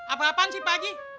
apa apaan sih pak haji